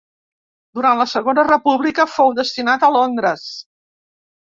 Durant la Segona República fou destinat a Londres.